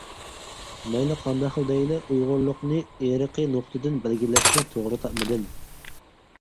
مەيلى قانداقلا دەيلى، ئۇيغۇرلۇقنى ئېرىقى نۇقتىدىن بەلگىلەشنى توغرا تاپمىدىم.